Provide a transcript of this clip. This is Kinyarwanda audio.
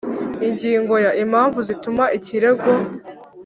Ingingo ya Impamvu zituma ikirego